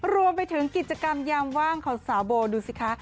รวมไปถึงกิจกรรมยามว่างของสาวโบดูสิคะ